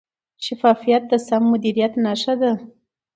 شفافیت د سم مدیریت نښه ده.